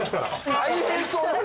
大変そう。